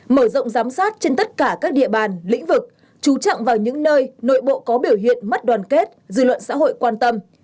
mở rộng giám sát trên tất cả các địa bàn lĩnh vực chú trọng vào những nơi nội bộ có biểu hiện mất đoàn kết dư luận xã hội quan tâm